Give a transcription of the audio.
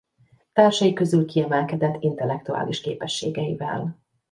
Társai közül kiemelkedett intellektuális képességeivel.